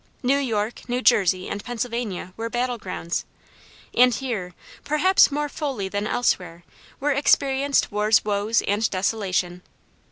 New York, New Jersey, and Pennsylvania were battle grounds, and here, perhaps more fully than elsewhere, were experienced war's woes and desolation.